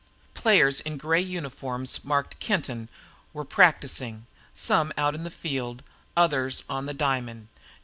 Players in gray uniforms marked "Kenton" were practising, some out in the field, others on the diamond.